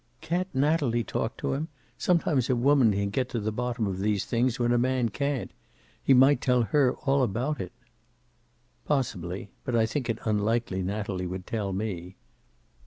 "Can't Natalie talk to him? Sometimes a woman can get to the bottom of these things when a man can't. He might tell her all about it." "Possibly. But I think it unlikely Natalie would tell me."